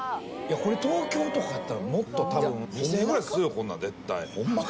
これ東京とかやったらもっと高く２０００円ぐらいするよこんな絶対ほんまか？